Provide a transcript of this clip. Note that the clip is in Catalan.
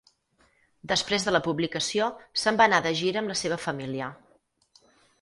Després de la publicació, se'n va anar de gira amb la seva família.